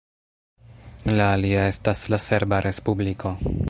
La alia estas la Serba Respubliko.